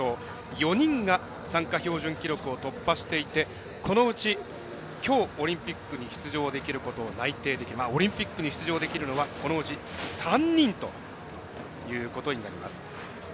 ４人が参加標準記録を突破していてこのうちきょうオリンピックに出場できることを内定オリンピックに出場できるのはこのうち３人ということになります。